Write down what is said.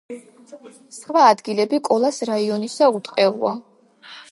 სხვა ადგილები კოლას რაიონისა უტყეოა.